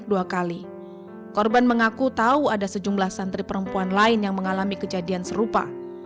korban mencoba mencari keadilan dengan menuliskan kronologi peristiwa yang menimpanya